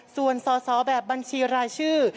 ส่วนสอสอแบบบัญชีรายชื่อ